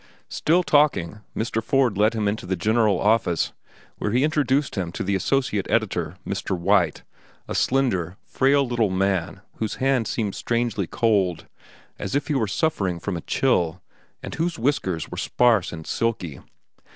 Still talking, Mr. Ford led him into the general office, where he introduced him to the associate editor, Mr. White, a slender, frail little man whose hand seemed strangely cold, as if he were suffering from a chill, and whose whiskers were sparse and silky.